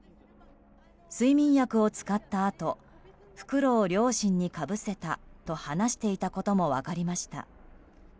睡眠薬を使ったあと袋を両親にかぶせたと話していたことも分かりました。